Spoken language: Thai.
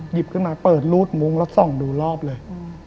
หยิบขึ้นมาเปิดรูดมุ้งแล้วส่องดูรอบเลย